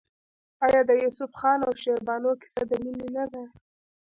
آیا د یوسف خان او شیربانو کیسه د مینې نه ده؟